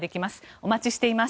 お待ちしています。